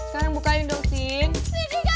sekarang bukain dong cindy